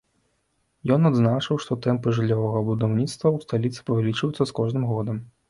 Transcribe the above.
Ён адзначыў, што тэмпы жыллёвага будаўніцтва ў сталіцы павялічваюцца з кожным годам.